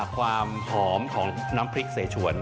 ความหอมของน้ำพริกเสชวน